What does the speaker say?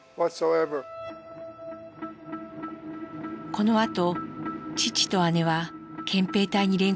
このあと父と姉は憲兵隊に連行されます。